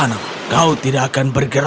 kau tidak akan bergerak kau tidak akan mengeluh